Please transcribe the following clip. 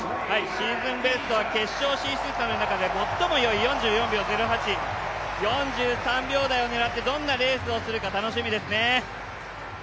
シーズンベストは決勝進出者の中で最も良い４４秒０８、４３秒台を狙ってどんなレースをするのか楽しみですね。